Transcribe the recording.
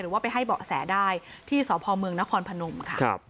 ว่าไปให้เบาะแสได้ที่สพเมืองนครพนมค่ะ